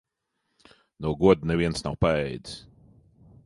No goda neviens nav paēdis.